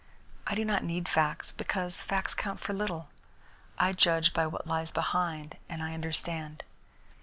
I do not need facts, because facts count for little. I judge by what lies behind, and I understand.